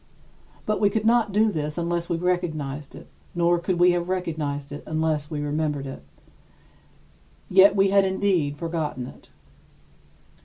But we could not do this unless we recognized it, nor could we have recognized it unless we remembered it. Yet we had indeed forgotten it.